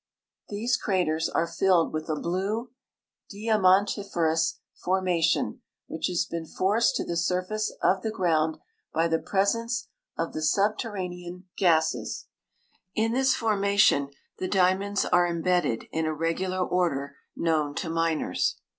'I'hese craters are filh'd with a blue diamantiferous formation, which has been forced to the surface of the ground by the [U'cssure of the subterranean 162 AFRICA SINCE 1888 gases. In this formation the diamonds are imbedded, in a reg ular order known to miners.